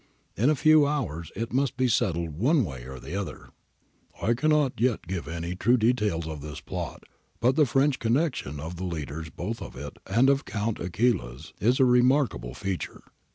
In a few hours it must be settled one way or other. ' I cannot yet give any true details of this plot, but the French connection of the leaders both of it and of Count Aquila's [plot of August 11] is a remarkable feature.